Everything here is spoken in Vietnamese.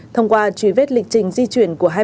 thông qua truy vết lịch trình di chuyển của hai bệnh nhân